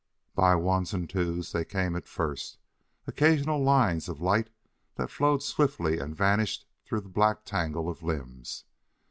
By ones and twos they came at first, occasional lines of light that flowed swiftly and vanished through the black tangle of limbs.